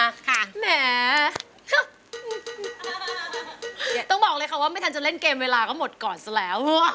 ต้องบอกเลยค่ะว่าไม่ทันจะเล่นเกมเวลาก็หมดก่อนซะแล้ว